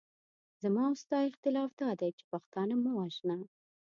زما او ستا اختلاف دادی چې پښتانه مه وژنه.